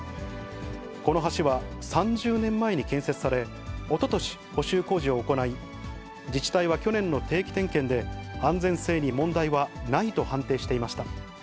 この橋は、３０年前に建設され、おととし、補修工事を行い、自治体は去年の定期点検で安全性に問題はないと判定していました。